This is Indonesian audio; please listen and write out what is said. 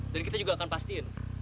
dan kita juga akan pastiin